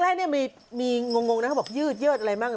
แรกนี่มีงงนะครับเขาบอกยืดเยือดอะไรบ้าง